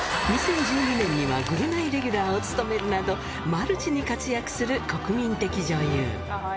２０１２年にはぐるナイレギュラーを務めるなど、マルチに活躍する国民的女優。